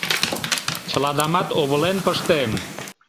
Чыладамат овылен пыштем!..